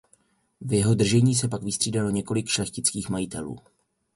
V jeho držení se pak vystřídalo několik šlechtických majitelů.